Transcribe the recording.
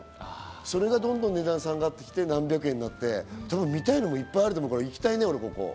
それが値段が下がってきて何百円になって、見たいのいっぱいあると思うから、俺ここ行きたいね。